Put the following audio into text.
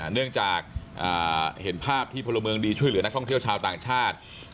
เนื่องจากเห็นภาพที่พลเมืองดีช่วยเหลือนักท่องเที่ยวชาวต่างชาติ